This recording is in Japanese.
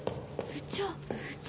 部長！